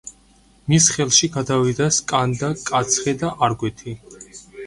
მის ხელში გადავიდა სკანდა, კაცხი და არგვეთი.